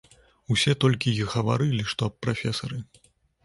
Усе толькі й гаварылі, што аб прафесары.